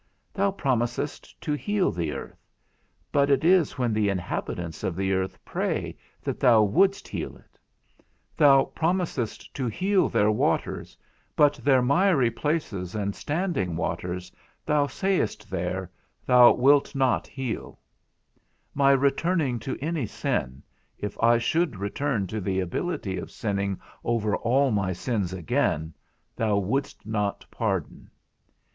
Thou promisest to heal the earth; but it is when the inhabitants of the earth pray that thou wouldst heal it. Thou promisest to heal their waters, but their miry places and standing waters, thou sayest there, thou wilt not heal. My returning to any sin, if I should return to the ability of sinning over all my sins again, thou wouldst not pardon.